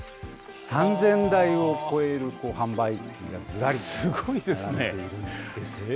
３０００台を超える販売機がずらり並んでいるんです。